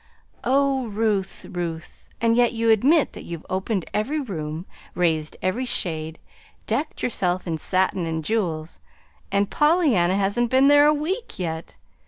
"Oh, Ruth, Ruth! and yet you admit that you've opened every room, raised every shade, decked yourself in satin and jewels and Pollyanna hasn't been there a week yet.